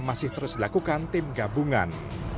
masih terus dilakukan tim gabungan